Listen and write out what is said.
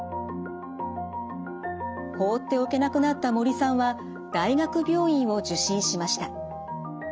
放っておけなくなった森さんは大学病院を受診しました。